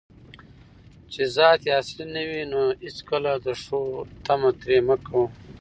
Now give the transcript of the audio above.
چې ذات یې اصلي نه وي، نو هیڅکله د ښو طمعه ترې مه کوه